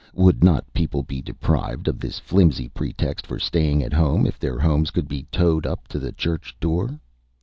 Would not people be deprived of this flimsy pretext for staying at home if their homes could be towed up to the church door?